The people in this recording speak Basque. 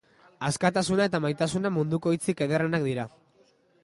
Askatasuna eta maitasuna munduko hitzik ederrenak dira.